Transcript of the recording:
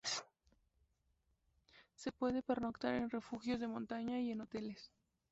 Se puede pernoctar en refugios de montaña y en hoteles.